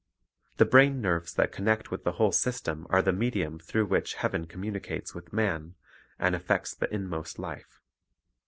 The brain nerves that connect with the whole system are the medium through which heaven commu • nicates with man, and affects the inmost life.